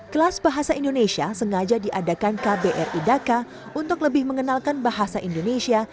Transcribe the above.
kelas bahasa indonesia sengaja diadakan kbri dhaka untuk lebih mengenalkan bahasa indonesia